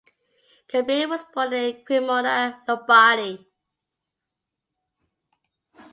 Cabrini was born in Cremona, Lombardy.